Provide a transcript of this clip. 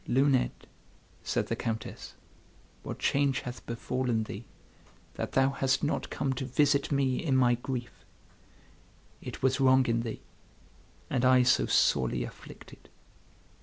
"Luned," said the Countess, "what change hath befallen thee, that thou hast not come to visit me in my grief. It was wrong in thee, and I so sorely afflicted."